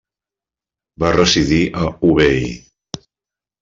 Va residir a Hubei.